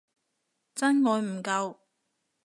真愛唔夠